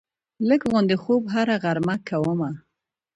لږ غوندې خوب هره غرمه کومه